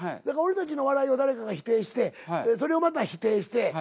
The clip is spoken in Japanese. だから俺たちの笑いを誰かが否定してそれをまた否定して。